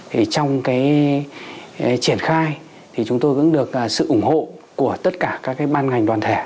trong triển khai chúng tôi cũng được sự ủng hộ của tất cả các ban ngành đoàn thể